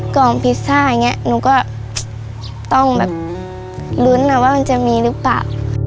พิซซ่าอย่างนี้หนูก็ต้องแบบลุ้นนะว่ามันจะมีหรือเปล่า